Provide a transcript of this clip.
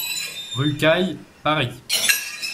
Rue Cail, Paris